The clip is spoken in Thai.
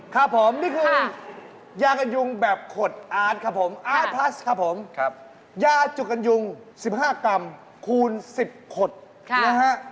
ครับผมนี่คือยากันยุงแบบขดอาร์ตครับผมอาร์ตพลัสครับผมยาจุกันยุง๑๕กรัมคูณ๑๐ขดนะฮะ